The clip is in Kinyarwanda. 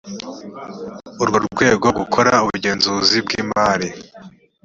urwo rwego gukora ubugenzuzi bw imari